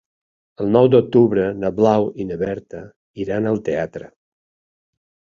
El nou d'octubre na Blau i na Berta iran al teatre.